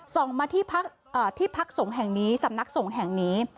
ส่งมาที่พักสงฆ์แห่งนี้สำนักสงฆ์แห่งนี้